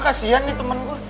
kasian nih temen gue